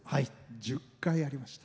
１０回ありました。